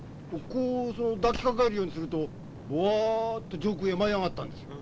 こう抱きかかえるようにするとボワッと上空へ舞い上がったんですよ。